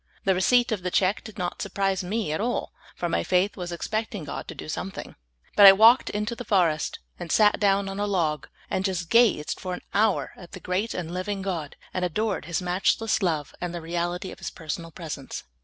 '' The receipt of the check did not surprise me at all, for my faith was expecting God to do something ; but I walked into the forest and sat down on a log, and just gazed for an hour at the great and living God, and adored His matchless love and the reality of His personal presence.